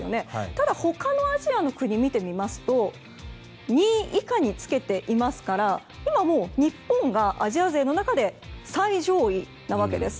ただ他のアジアの国を見てみますと２位以下につけていますから今、日本がアジア勢の中で最上位なわけです。